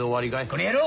この野郎！